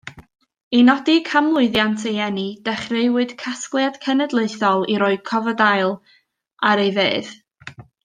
I nodi canmlwyddiant ei eni dechreuwyd casgliad cenedlaethol i roi cofadail ar ei fedd.